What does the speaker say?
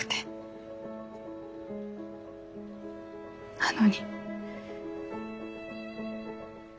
なのに。